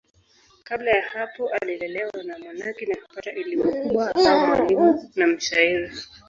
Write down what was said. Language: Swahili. Kabla ya hapo alilelewa na wamonaki na kupata elimu kubwa akawa mwalimu na mshairi.